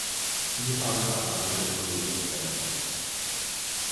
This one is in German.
Die haben auch andere Kollegen erwähnt.